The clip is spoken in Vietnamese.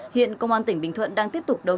hiện công an tỉnh bình thuận đã đưa ra khu vực này